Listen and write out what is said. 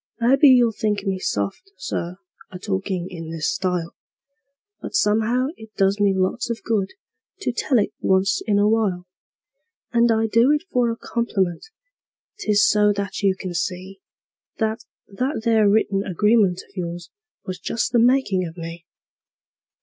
Maybe you'll think me soft, Sir, a talkin' in this style, But somehow it does me lots of good to tell it once in a while; And I do it for a compliment 'tis so that you can see That that there written agreement of yours was just the makin' of me.